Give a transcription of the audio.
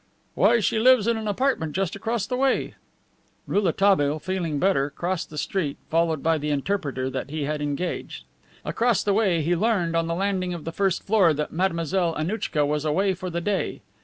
"Why, she lives in an apartment just across the way." Rouletabille, feeling better, crossed the street, followed by the interpreter that he had engaged. Across the way he learned on the landing of the first floor that Mademoiselle Annouchka was away for the day.